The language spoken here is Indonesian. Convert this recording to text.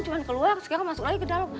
cuma keluar sekarang masuk lagi ke dalam